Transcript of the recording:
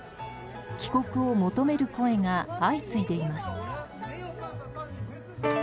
帰国を求める声が相次いでいます。